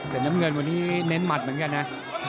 แต่น้ำเงินวันนี้เน้นหมัดเหมือนกันนะ